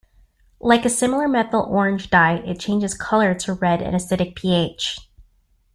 Like a similar methyl orange dye, it changes color to red in acidic pH.